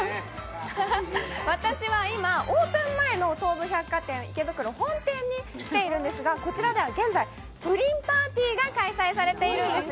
私は今、オープン前の東武百貨店池袋本店に来ているんですがこちらでは現在、プリンパーティが開催されています。